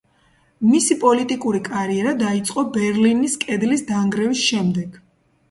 მისი პოლიტიკური კარიერა დაიწყო ბერლინის კედლის დანგრევის შემდეგ.